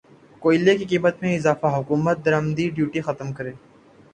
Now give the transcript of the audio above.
کوئلے کی قیمت میں اضافہ حکومت درمدی ڈیوٹی ختم کرے